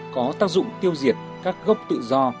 có tác dụng tiêu diệt các gốc tự do